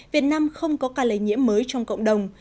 việt nam không có ca lây nhiễm mới trong cộng đồng